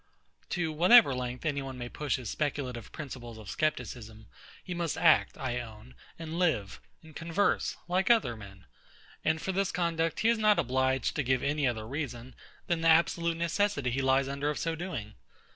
To whatever length any one may push his speculative principles of scepticism, he must act, I own, and live, and converse, like other men; and for this conduct he is not obliged to give any other reason, than the absolute necessity he lies under of so doing.